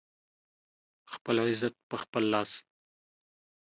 خپل عزت په خپل لاس